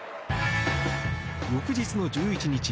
翌日の１１日